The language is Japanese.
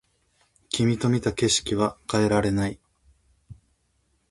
君と見た景色は忘れられない